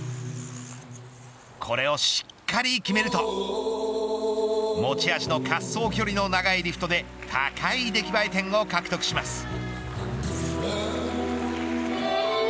これをしっかり決めると持ち味の滑走距離の長いリフトで高い出来栄え点を獲得します。